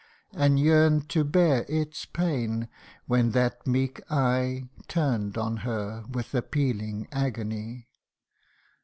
And yearn'd to bear its pain, when that meek eye Turn'd on her, with appealing agony